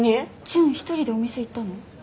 純１人でお店行ったの？